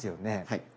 はい。